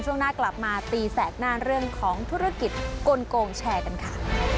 ช่วงหน้ากลับมาตีแสกหน้าเรื่องของธุรกิจกลงแชร์กันค่ะ